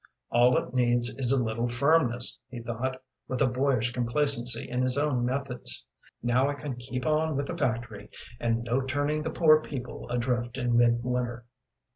"All it needs is a little firmness," he thought, with a boyish complacency in his own methods. "Now I can keep on with the factory, and no turning the poor people adrift in midwinter."